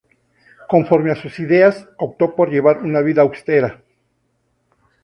Conforme a sus ideas, optó por llevar una vida austera.